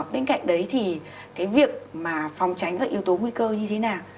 bên cạnh đấy thì cái việc mà phòng tránh các yếu tố nguy cơ như thế nào